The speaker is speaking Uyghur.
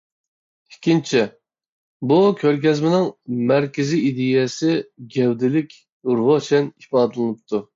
ئىككىنچى، بۇ كۆرگەزمىنىڭ مەركىزىي ئىدىيەسى گەۋدىلىك، روشەن ئىپادىلىنىپتۇ.